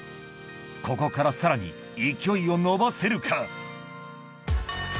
ここからさらに勢いを伸ばせるか？